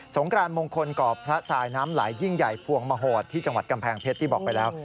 กรานมงคลก่อพระทรายน้ำไหลยิ่งใหญ่พวงมโหดที่จังหวัดกำแพงเพชรที่บอกไปแล้ว